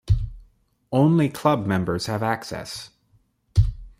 Only club members have access.